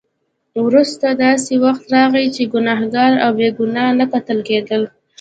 وروسته داسې وخت راغی چې ګناهګار او بې ګناه نه کتل کېدل.